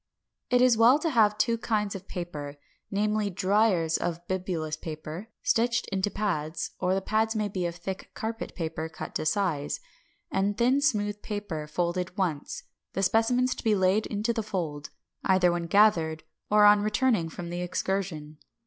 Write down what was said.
563. It is well to have two kinds of paper, namely, driers of bibulous paper, stitched into pads (or the pads may be of thick carpet paper, cut to size) and thin smooth paper, folded once; the specimens to be laid into the fold, either when gathered or on returning from the excursion.